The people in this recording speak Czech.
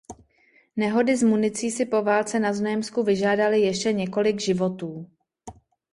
Nehody s municí si po válce na Znojemsku vyžádaly ještě několik životů.